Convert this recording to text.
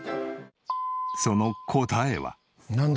その答えは。